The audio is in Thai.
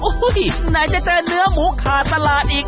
ไหนจะเจอเนื้อหมูขาดตลาดอีก